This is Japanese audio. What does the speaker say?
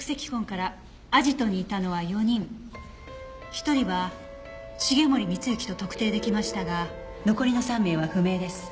１人は繁森光之と特定出来ましたが残りの３名は不明です。